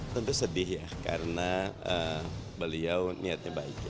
tentu sedih ya karena beliau niatnya baik